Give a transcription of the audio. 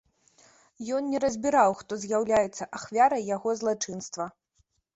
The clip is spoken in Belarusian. Ён не разбіраў, хто з'яўляецца ахвярай яго злачынства.